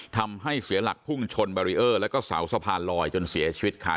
ทำให้เสียหลักพุ่งชนบารีเออร์แล้วก็เสาสะพานลอยจนเสียชีวิตค่ะ